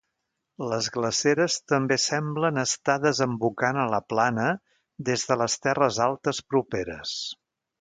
Les glaceres també semblen estar desembocant a la plana des de les terres altes properes.